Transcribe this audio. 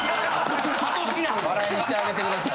・諭しな・・笑いにしてあげてください